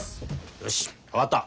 よし分かった。